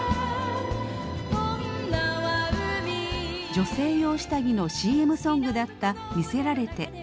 女性用下着のＣＭソングだった「魅せられて」。